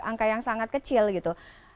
angka yang sangat kecil gitu